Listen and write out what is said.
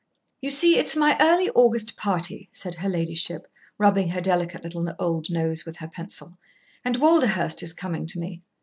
"You see, it is my early August party," said her ladyship, rubbing her delicate little old nose with her pencil, "and Walderhurst is coming to me.